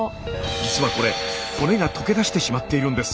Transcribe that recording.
実はこれ骨が溶け出してしまっているんです。